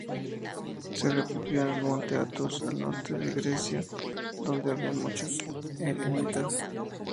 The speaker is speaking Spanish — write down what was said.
Se refugió en el monte Athos, al norte de Grecia, donde había muchos eremitas.